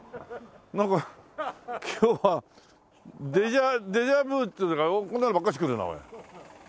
なんか今日はデジャビュっつうのかこんなのばっかし来るなおい。